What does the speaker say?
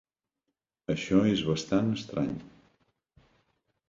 Això és bastant estrany.